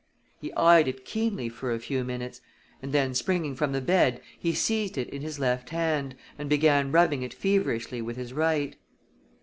He eyed it keenly for a few minutes, and then springing from the bed he seized it in his left hand and began rubbing it feverishly with his right.